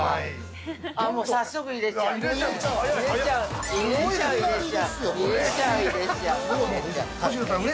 もう早速入れちゃう。